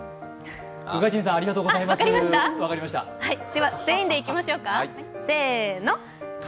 では全員でいきましょうか。